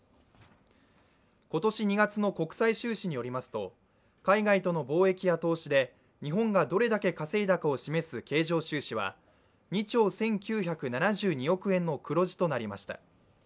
今年２月の国際収支によりますと、海外との貿易や投資で日本がどれだけ稼いだかを示す経常収支は２兆１９７２億円の黒字となりました。